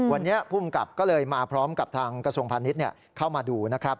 วันนี้ภูมิกับก็เลยมาพร้อมกับทางกระทรวงพาณิชย์เข้ามาดูนะครับ